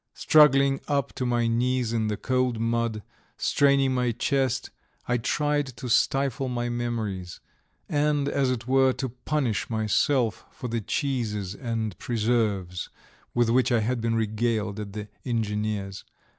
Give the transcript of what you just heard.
Struggling up to my knees in the cold mud, straining my chest, I tried to stifle my memories, and, as it were, to punish myself for the cheeses and preserves with which I had been regaled at the engineer's.